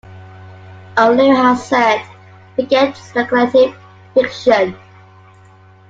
O'Leary has said: Forget 'Speculative Fiction'.